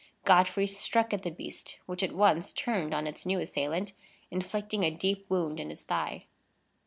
Godfrey struck at the beast, which at once turned on its new assailant, inflicting a deep wound in his thigh.